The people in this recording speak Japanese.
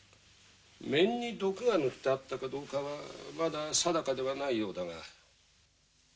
面に毒が塗ってあったかどうかはまだ定かではないようだが。